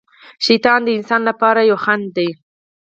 شیطان د انسان لپاره یو خڼډ دی.